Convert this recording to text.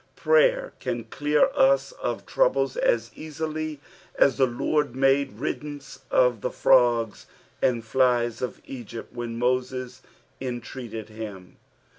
Prayer can clear us of troubles as easily ss the Lord made riddance of the frogs and flies of Egypt when Moses entreated him.